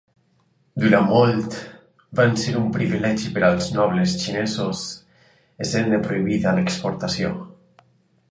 Durant molt van ser un privilegi per als nobles xinesos, essent-ne prohibida l'exportació.